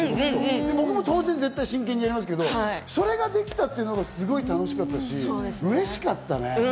僕も当然、真剣にやりますけど、それができたのがすごい楽しかったし、うれしかったね。